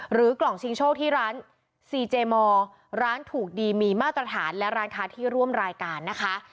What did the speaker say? กล่องชิงโชคที่ร้านซีเจมอร์ร้านถูกดีมีมาตรฐานและร้านค้าที่ร่วมรายการนะคะ